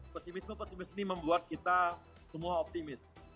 pesimisme pesimis ini membuat kita semua optimis